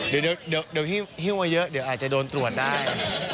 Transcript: เดี๋ยวพี่ฮิ้วมาเยอะเดี๋ยวอาจจะโดนตรวจได้